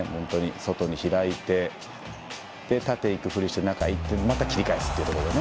外に開いて縦行く振りして中へ行ってまた切り返すというところでね。